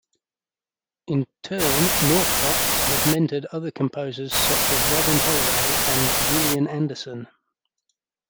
In turn, Northcott has mentored other composers such as Robin Holloway and Julian Anderson.